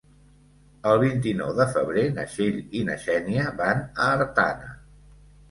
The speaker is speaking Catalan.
El vint-i-nou de febrer na Txell i na Xènia van a Artana.